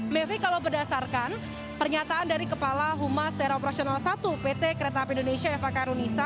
mevri kalau berdasarkan pernyataan dari kepala humas daerah operasional satu pt kereta api indonesia fhk arun nisa